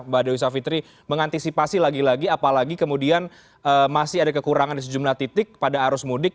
mbak dewi savitri mengantisipasi lagi lagi apalagi kemudian masih ada kekurangan di sejumlah titik pada arus mudik